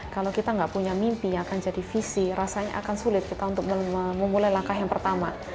kalau kita nggak punya mimpi yang akan jadi visi rasanya akan sulit kita untuk memulai langkah yang pertama